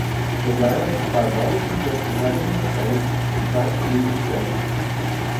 Adira, despite Londo's interest in having her stay, decides to leave the station.